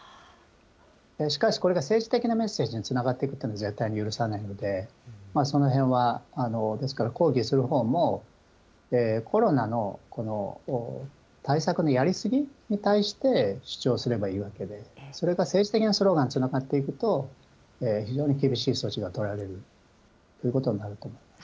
しかしこれが政治的なメッセージにつながっていくというのは、絶対に許さないので、そのへんは、ですから抗議するほうも、コロナの対策のやり過ぎに対して主張すればいいわけで、それが政治的なスローガンにつながっていくと、非常に厳しい措置が取られるということになると思います。